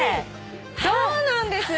そうなんです。